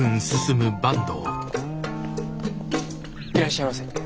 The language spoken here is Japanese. いらっしゃいませ。